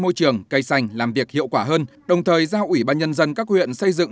môi trường cây xanh làm việc hiệu quả hơn đồng thời giao ủy ban nhân dân các huyện xây dựng